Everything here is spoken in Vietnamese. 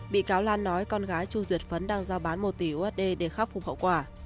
bị cáo lan nói con gái chu duyệt phấn đang giao bán một tỷ usd để khắc phục hậu quả